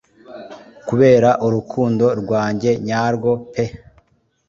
kubera urukundo rwanjye nyarwo pe